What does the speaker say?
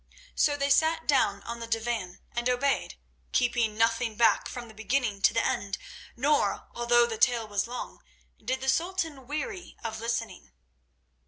So they sat down on the divan and obeyed, keeping nothing back from the beginning to the end, nor, although the tale was long, did the Sultan weary of listening.